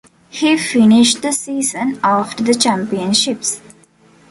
He finished the season after the championships.